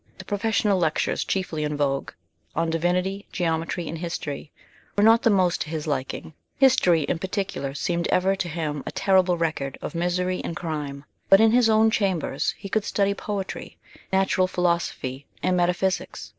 The professional lectures chiefly in vogue, on divinity, geometry, and history, were not the most to his liking history in particular seemed ever to him a terrible record of misery and crime but in his own chambers he could study poetry, natural philosophy, and metaphysics.